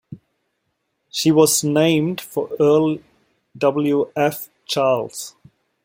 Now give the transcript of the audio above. She was named for Earle W. F. Childs.